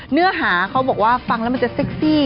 เนื้อหาเขาบอกว่าฟังแล้วมันจะเซ็กซี่